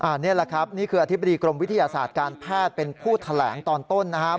อันนี้แหละครับนี่คืออธิบดีกรมวิทยาศาสตร์การแพทย์เป็นผู้แถลงตอนต้นนะครับ